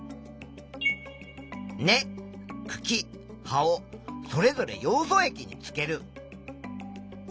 根くき葉をそれぞれヨウ素液につける。